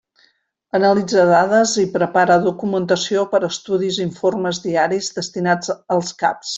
Analitza dades i prepara documentació per a estudis i informes diaris destinats als caps.